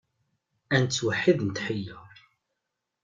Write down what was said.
Ad nettweḥḥid netḥeyyeṛ.